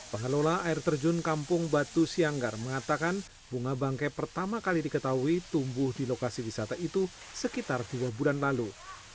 pengelola air terjun kampung batu sianggar mengatakan bunga bangkai pertama kali diketahui tumbuh di lokasi wisata itu sekitar dua bulan lalu